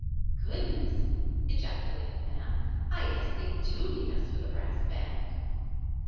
"Goodness!" ejaculated Nan. "I guess they do meet us with a brass band!"